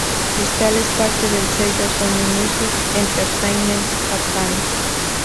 Crystal es parte del sello Sony Music Entertainment Japan.